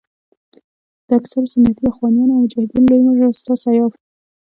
د اکثرو سنتي اخوانیانو او مجاهدینو لوی مشر استاد سیاف دی.